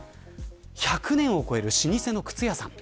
１００年を超える老舗の靴屋さん。